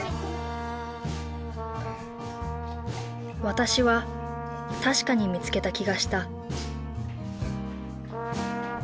私は確かに見つけた気がした。